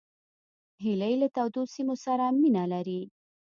هیلۍ له تودو سیمو سره مینه لري